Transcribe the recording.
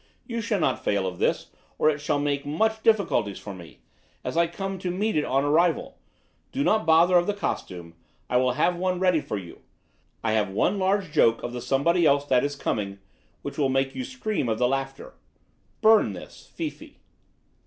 You shall not fail of this, or it shall make much difficulties for me, as I come to meet it on arrival. Do not bother of the costume; I will have one ready for you. I have one large joke of the somebody else that is coming, which will make you scream of the laughter. Burn this FIFI.